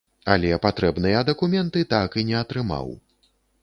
Але патрэбныя дакументы так і не атрымаў.